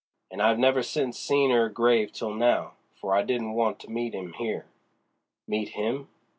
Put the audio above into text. And I've never since seen 'er grave till now, for I didn't want to meet 'im here." "Meet him?